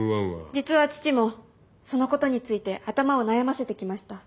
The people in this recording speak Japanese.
実は父もそのことについて頭を悩ませてきました。